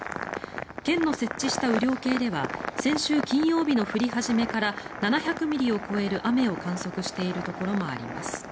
県の設置した雨量計では先週金曜日の降り始めから７００ミリを超える雨を観測しているところもあります。